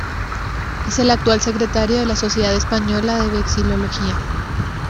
Es el actual secretario de la Sociedad Española de Vexilología.